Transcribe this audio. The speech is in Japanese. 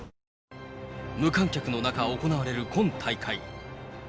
無観客の中、行われる今大会。